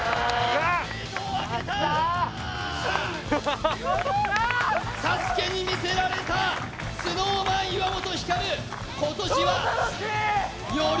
やったＳＡＳＵＫＥに魅せられたＳｎｏｗＭａｎ岩本照今年は超楽しい！